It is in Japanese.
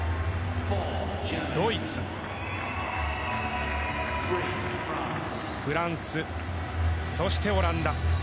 ドイツフランス、そしてオランダ。